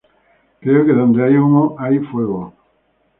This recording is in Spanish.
Creo que donde hay humo hay fuego".